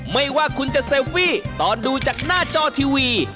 ไม่ว่าคุณจะเซลฟี่ตอนดูจากหน้าจอทีวี